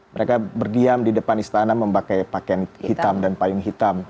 mereka berdiam di depan istana memakai pakaian hitam dan payung hitam